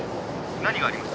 何がありましたか？」